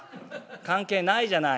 関係ないじゃない」。